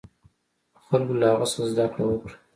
خلکو له هغه څخه زده کړه وکړه.